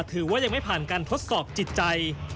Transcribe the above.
ถือว่ายังไม่ผ่านการทดสอบจิตใจ